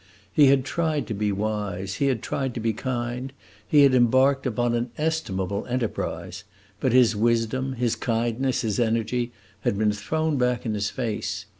He had tried to be wise, he had tried to be kind, he had embarked upon an estimable enterprise; but his wisdom, his kindness, his energy, had been thrown back in his face.